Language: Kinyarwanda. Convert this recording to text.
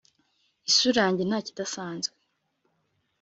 Isura yanjye ntakidasanzwe